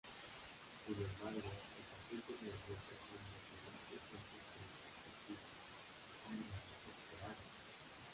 Sin embargo, los agentes nerviosos son mucho más potentes que los pesticidas organofosforados.